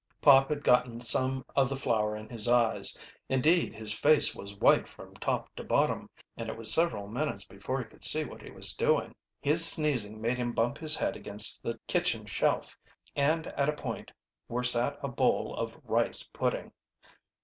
Pop had gotten some of the flour in his eyes, indeed, his face was white from top to bottom, and it was several minutes before he could see what he was doing. His sneezing made him bump his head against the kitchen shelf, and at a point where sat a bowl of rice pudding.